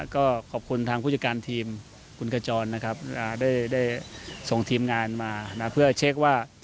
ก็ขอบคุณทางผู้จัดการทีมคุณขจรนะครับได้ส่งทีมงานมาเพื่อเช็คว่า